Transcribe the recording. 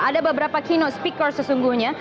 ada beberapa keyno speaker sesungguhnya